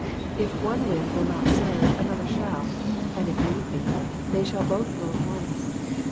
If one wind will not serve, another shall ; and if need be, they shall both blow at once.